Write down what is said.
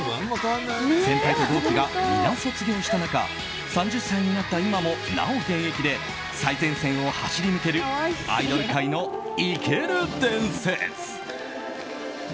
先輩と同期が皆卒業した中３０歳になった今もなお現役で最前線を走り抜けるアイドル界の生ける伝説。